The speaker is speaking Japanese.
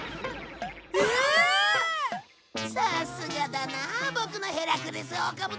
さすがだなボクのヘラクレスオオカブトちゃんは。